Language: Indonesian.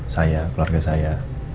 saya keluarga saya